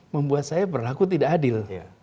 membuat saya berlaku tidak adil